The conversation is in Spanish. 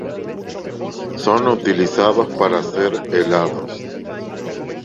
Son utilizados para hacer helados.